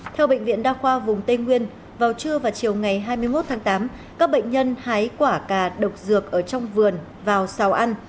theo bệnh viện đa khoa vùng tây nguyên vào trưa và chiều ngày hai mươi một tháng tám các bệnh nhân hái quả cà độc dược ở trong vườn vào xào ăn